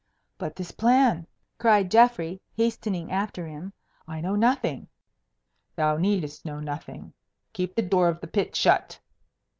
"But this plan?" cried Geoffrey, hastening after him; "I know nothing." "Thou needest know nothing. Keep the door of the pit shut.